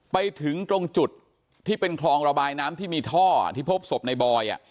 ไปถึงตรงจุดที่เป็นคลองระบายน้ำที่มีท่อที่พบศพในบอย